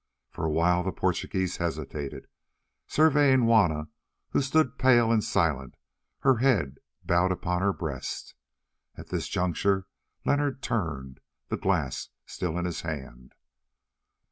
For a while the Portugee hesitated, surveying Juanna, who stood pale and silent, her head bowed upon her breast. At this juncture Leonard turned, the glass still in his hand.